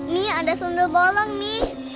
mi ada sundel bolong mi